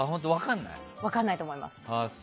分かんないと思います。